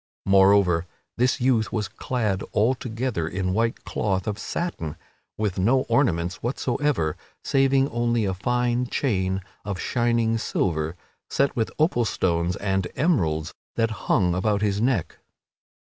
Moreover, this youth was clad altogether in white cloth of satin with no ornaments whatsoever saving only a fine chain of shining silver set with opal stones and emeralds that hung about his neck.